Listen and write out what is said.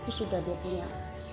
itu sudah dia punya